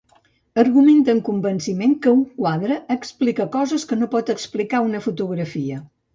Argumenta amb convenciment que un quadre explica coses que no pot explicar una fotografia.